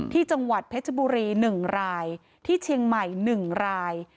ที่จังหวัดเพชรบุรี๑รายที่เชียงใหม่๑ราย